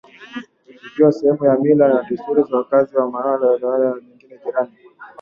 ikiwa sehemu ya mila na desturi za wakazi wa Newala na wilaya nyingine jirani